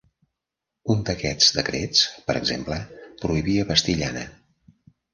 Un d'aquests decrets, per exemple, prohibia vestir llana.